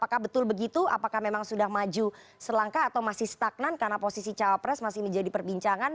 apakah memang sudah maju selangkah atau masih stagnan karena posisi cawapres masih menjadi perbincangan